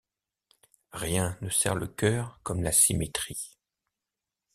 Rien ne serre le cœur comme la symétrie.